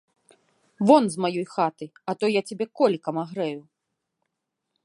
Вон з маёй хаты, а то я цябе колікам агрэю.